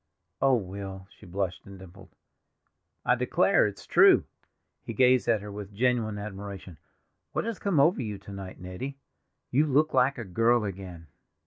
"Oh, Will!" She blushed and dimpled. "I declare, it is true!" He gazed at her with genuine admiration. "What has come over you to night, Nettie?—you look like a girl again."